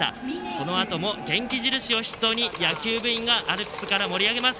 このあとも元気印を筆頭に、野球部員がアルプスから盛り上げます。